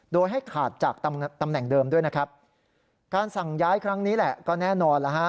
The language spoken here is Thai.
โดยให้ขาดจากตำแหน่งเดิมด้วยนะครับการสั่งย้ายครั้งนี้แหละก็แน่นอนแล้วฮะ